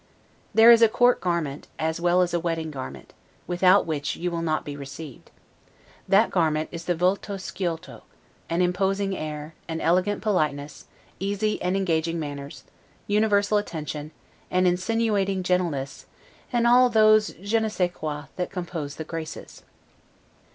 There is a court garment, as well as a wedding garment, without which you will not be received. That garment is the 'volto sciolto'; an imposing air, an elegant politeness, easy and engaging manners, universal attention, an insinuating gentleness, and all those 'je ne sais quoi' that compose the GRACES.